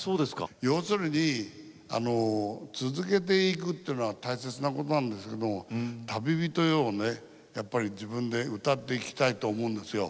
要するに続けていくというのは大切なことなんですけど「旅人よ」をね、自分で歌っていきたいと思うんですよ。